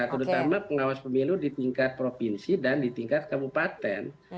terutama pengawas pemilu di tingkat provinsi dan di tingkat kabupaten